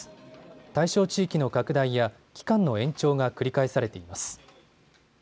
対象地域の拡大や期間の延長が繰り返されています。